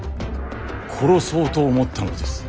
殺そうと思ったのです。